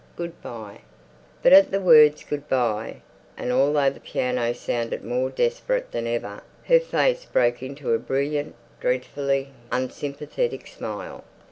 .. Good bye! But at the word "Good bye," and although the piano sounded more desperate than ever, her face broke into a brilliant, dreadfully unsympathetic smile.